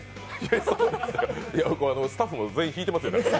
そうですよ、スタッフも全員、引いてますよ。